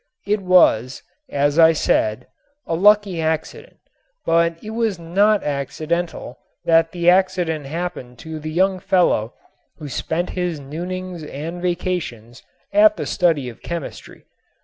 It was, as I said, a lucky accident. But it was not accidental that the accident happened to the young fellow who spent his noonings and vacations at the study of chemistry.